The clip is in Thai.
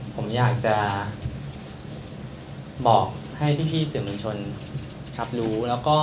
ผมอยากจะบอกให้พี่เสือมงานชนรับรู้